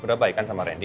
udah baik kan sama randy